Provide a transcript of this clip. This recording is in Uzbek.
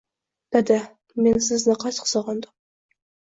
Dada, Men sizni qattiq sog'indim